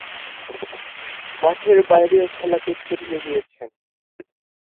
মাঠের বাইরেও খেলাকে ছড়িয়ে দিয়েছেন।